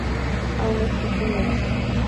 Aún no existen grabaciones.